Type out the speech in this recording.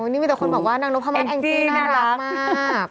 นี่มีแต่คนบอกว่านางนพมัดแองจี้น่ารักมาก